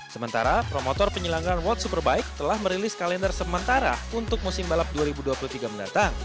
sementara promotor penyelenggara world superbike telah merilis kalender sementara untuk musim balap dua ribu dua puluh tiga mendatang